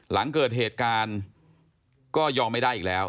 หลังเกิดเหตุการณ์ก็ยอมไม่ได้อีกแล้ว